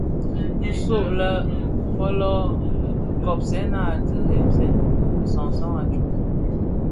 Nso folō anèn, kobsèna a dheresèn bi sansan a tsok.